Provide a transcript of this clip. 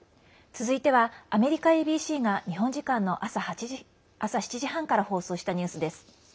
続いては、アメリカＡＢＣが日本時間の朝７時半から放送したニュースです。